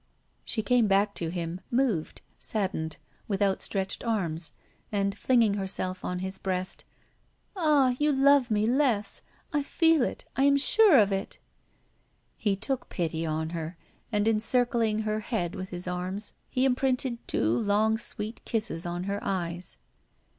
She came back to him moved, saddened, with outstretched arms, and, flinging herself on his breast: "Ah! you love me less. I feel it! I am sure of it!" He took pity on her, and, encircling her head with his arms, he imprinted two long sweet kisses on her eyes.